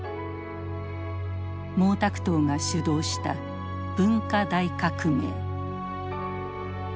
毛沢東が主導した文化大革命。